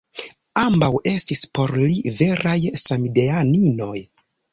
Ambaŭ estis por li veraj samideaninoj.